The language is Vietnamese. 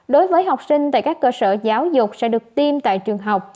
đối với học sinh tại các cơ sở giáo dục sẽ được tiêm tại trường học